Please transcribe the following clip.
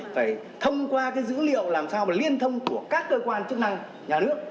phải thông qua dữ liệu làm sao mà liên thông của các cơ quan chức năng nhà nước